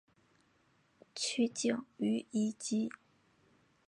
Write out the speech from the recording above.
取景于以及。